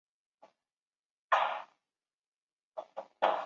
当时此软件是辅助飞机建造。